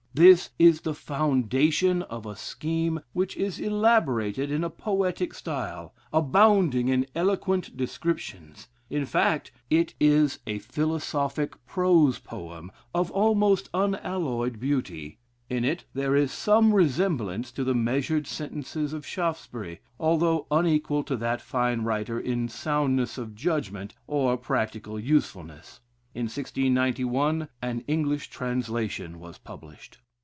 This is the foundation of a scheme which is elaborated in a poetic style, abounding in eloquent descriptions; in fact it is a philosophic prose poem of almost unalloyed beauty. In it there is some resemblance to the measured sentences of Shaftesbury, although unequal to that fine writer in soundness of judgment or practical usefulness. In 1691 an English translation was published.